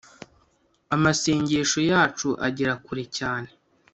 Amasengesho yacu agera kure cyane